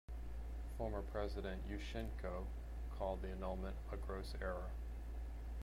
Former President Yushchenko called the annulment "a gross error".